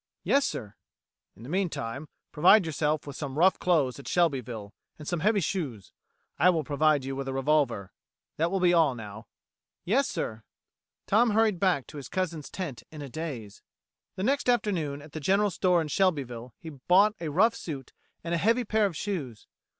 "Yes, sir." "In the meantime, provide yourself with some rough clothes at Shelbyville, and some heavy shoes. I will provide you with a revolver. That will be all now." "Yes, sir." Tom hurried back to his cousin's tent in a daze. The next afternoon at the general store in Shelbyville he bought a rough suit, and a heavy pair of shoes.